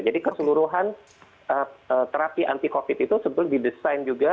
jadi keseluruhan terapi anti covid itu sebetulnya didesain juga